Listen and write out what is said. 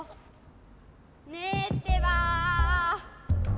ねえってば。